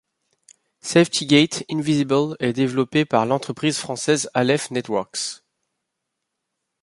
SafetyGate Invisible est développé par l'entreprise française aleph-networks.